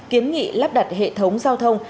kiến nghị lắp đặt hệ thống giao thông